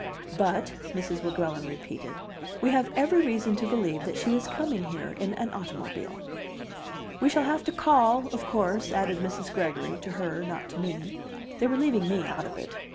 "But," Mrs. Weguelin repeated, "we have every reason to believe that she is coming here in an automobile." "We shall have to call, of course," added Mrs. Gregory to her, not to me; they were leaving me out of it.